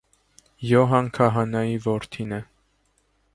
Յոհան քահանայի որդին է։